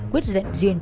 quyết dẫn duyên